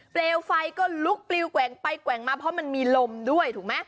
เปลวไฟก็ลุกปลิวแกว่งไปแกว่งมาเพราะมันมีลมด้วยถูกไหม